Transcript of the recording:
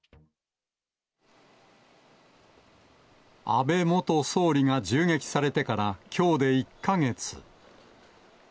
安倍元総理が銃撃されてから、きょうで１か月。